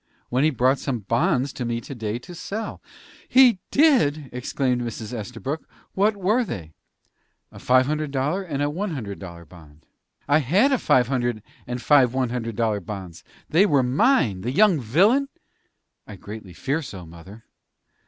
"When he brought some bonds to me to day to sell." "He did!" exclaimed Mrs. Estabrook; "what were they?" "A five hundred dollar and a hundred dollar bond." "I had a five hundred and five one hundred dollar bonds. They were mine the young villain!" "I greatly fear so, mother."